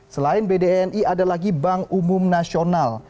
selain bdni ada lagi bank umum nasional